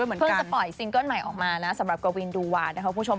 เหมือนเพิ่งจะปล่อยซิงเกิ้ลใหม่ออกมานะสำหรับกวินดูวานะคะคุณผู้ชม